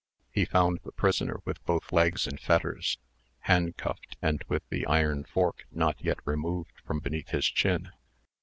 He found the prisoner with both legs in fetters, handcuffed, and with the iron fork not yet removed from beneath his chin.